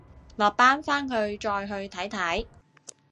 落班翻去再去睇睇